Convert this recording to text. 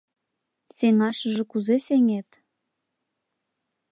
Сеҥашыже кузе сеҥет?